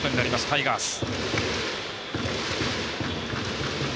タイガース。